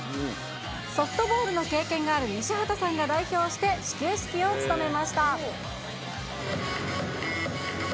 ソフトボールの経験がある西畑さんが代表して始球式を務めました。